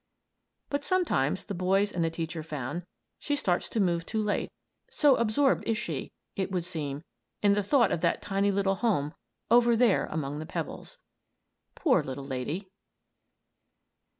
But sometimes, the boys and the teacher found, she starts to move too late so absorbed is she, it would seem, in the thought of that tiny little home over there among the pebbles. Poor little lady!